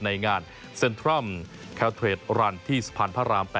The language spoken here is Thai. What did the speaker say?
ในงานเซ็นทรัมป์แคลเทรดรันที่สะพานพระราม๘